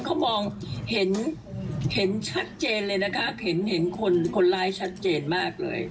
ก็มองเห็นชัดเจนเลยนะคะเห็นคนร้ายชัดเจนมากเลย